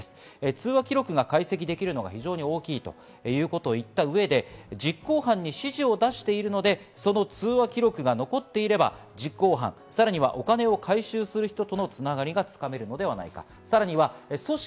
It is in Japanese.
通話記録が解析できるのが大きいということを言った上で実行犯に指示を出しているので、その通話記録が残っていれば、実行犯、さらにお金を回収する人との繋がりがつかめるのでは。